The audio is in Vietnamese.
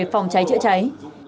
phòng cháy trịa cháy